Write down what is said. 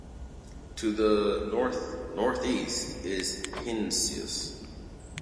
To the north-northeast is Heinsius.